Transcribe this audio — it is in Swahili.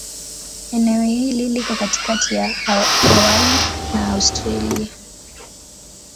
Eneo hili liko katikati ya Hawaii na Australia.